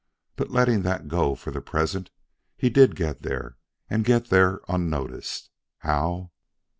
But letting that go for the present, he did get there and get there unnoticed. How?